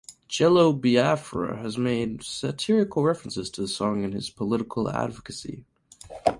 Jello Biafra has made satirical references to the song in his political advocacy.